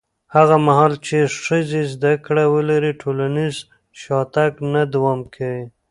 هغه مهال چې ښځې زده کړه ولري، ټولنیز شاتګ نه دوام کوي.